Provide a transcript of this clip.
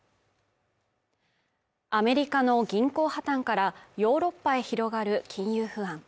アメリカの銀行破綻からヨーロッパへ広がる金融不安。